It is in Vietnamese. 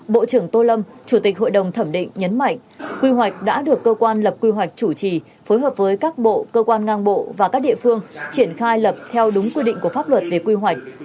bộ trưởng tô lâm chủ tịch hội đồng thẩm định nhấn mạnh quy hoạch đã được cơ quan lập quy hoạch chủ trì phối hợp với các bộ cơ quan ngang bộ và các địa phương triển khai lập theo đúng quy định của pháp luật về quy hoạch